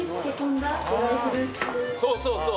そうそうそう。